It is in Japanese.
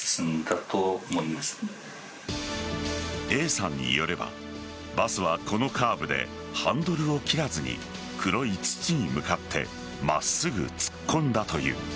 Ａさんによればバスはこのカーブでハンドルを切らずに黒い土に向かって真っすぐ突っ込んだという。